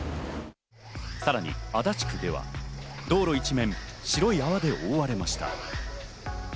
さらに足立区では道路一面、白い泡で覆われました。